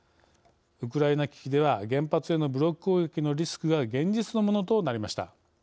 ウクライナ危機では原発への武力攻撃のリスクが現実のものとなりました。